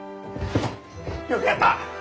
よくやった！